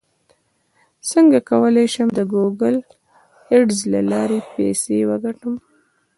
څنګه کولی شم د ګوګل اډز له لارې پیسې وګټم